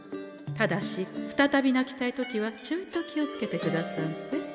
ただし再び泣きたい時はちょいと気をつけてくださんせ。